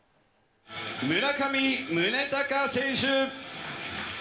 村上宗隆選手。